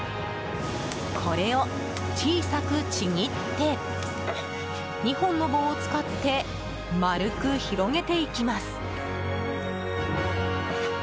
これを小さくちぎって２本の棒を使って丸く広げていきます。